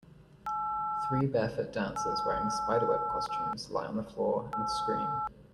Three barefoot dancers wearing spiderweb costumes lie on the floor and scream.